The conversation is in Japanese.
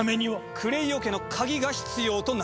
クレイオ家の鍵が必要となる。